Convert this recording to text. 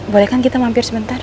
boleh kan kita mampir sebentar